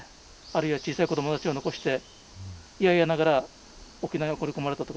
あるいは小さい子供たちを残していやいやながら沖縄に送り込まれたとかですね。